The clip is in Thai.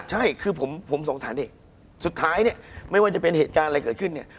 ใช่คือผมสงสารเด็กสุดท้ายเนี่ยไม่ว่าจะเป็นเหตุการณ์อะไรเกิดขึ้นเนี่ย